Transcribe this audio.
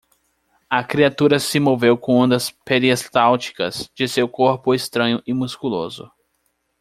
A criatura se moveu com ondas peristálticas de seu corpo estranho e musculoso.